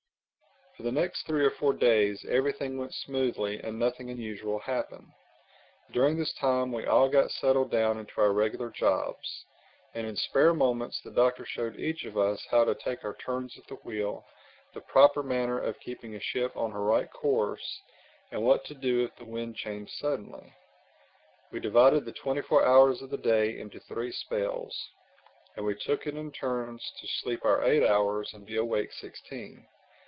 For the next three or four days everything went smoothly and nothing unusual happened. During this time we all got settled down into our regular jobs; and in spare moments the Doctor showed each of us how to take our turns at the wheel, the proper manner of keeping a ship on her right course, and what to do if the wind changed suddenly. We divided the twenty four hours of the day into three spells; and we took it in turns to sleep our eight hours and be awake sixteen.